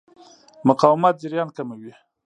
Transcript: مقاومت جریان کموي.